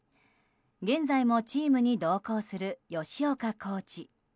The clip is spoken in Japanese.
現在もチームに同行する吉岡コーチ。